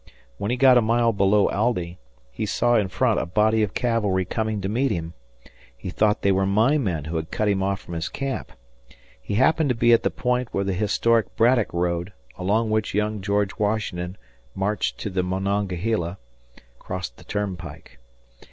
When he got a mile below Aldie, he saw in front a body of cavalry coming to meet him. He thought they were my men who had cut him off from his camp. He happened to be at the point where the historic Haddock road, along which young George Washington marched to the Monongahela, crossed the turnpike.